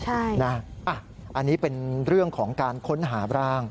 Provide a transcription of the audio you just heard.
อันนี้เป็นเรื่องของการค้นหาร่าง